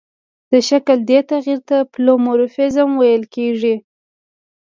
د شکل دې تغیر ته پلئومورفیزم ویل کیږي.